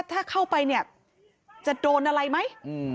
ถ้าเข้าไปเนี่ยจะโดนอะไรไหม